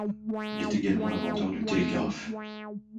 Il est également l'inventeur du télégraphe.